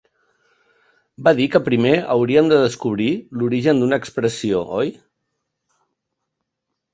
Va dir que primer hauríem de descobrir l'origen d'una expressió, oi?